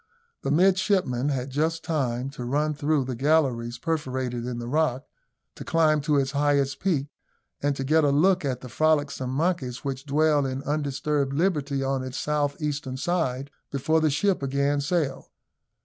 The midshipmen had just time to run through the galleries perforated in the rock, to climb to its highest peak, and to get a look at the frolicsome monkeys which dwell in undisturbed liberty on its south eastern side, before the ship again sailed.